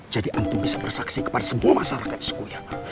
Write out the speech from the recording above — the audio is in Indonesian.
jadi antum bisa bersaksi kepada semua masyarakat di sekuya